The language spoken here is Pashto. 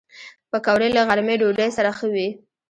پکورې له غرمې ډوډۍ سره ښه وي